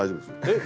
えっ！